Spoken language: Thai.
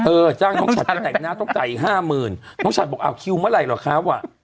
จ้างน้องฉัดไปแต่งหน้าต้องจ่ายอีกห้าหมื่นน้องฉัดบอกอ้าวคิวเมื่อไหร่เหรอครับอ่ะ